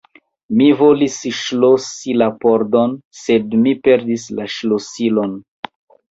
Mi volis ŝlosi la pordon, sed mi perdis la ŝlosilon.